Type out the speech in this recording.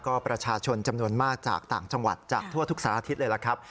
ก็ประชาชนจำนวนมากจากต่างจังหวัดจากทั่วทุกสารอาทิตย์เลยล่ะครับ